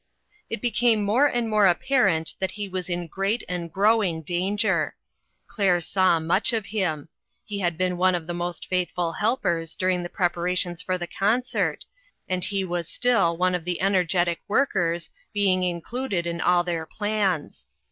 It became more and more apparent that he was in great and growing danger. Claire saw much of him. He had been one of the most faithful helpers during the preparations for the concert, and lie was still one of the energetic workers, being included in all their plans.